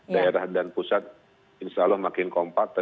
daerah dan pusat insya allah makin kompak